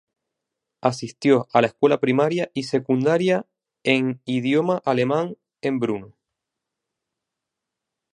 Asistió a la escuela primaria y secundaria en idioma alemán en Brno.